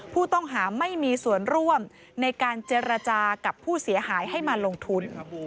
ผู้ต้องหาไม่มีส่วนร่วมในการเจรจากับผู้เสียหายให้มาลงทุน